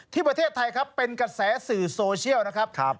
ประเทศไทยครับเป็นกระแสสื่อโซเชียลนะครับ